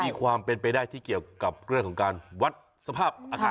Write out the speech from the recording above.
มีความเป็นไปได้ที่เกี่ยวกับเรื่องของการวัดสภาพอากาศ